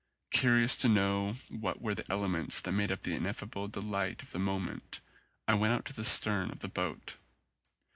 Curious to know what were the elements that made up the ineffable delight of the moment I went out to the stern of the boat.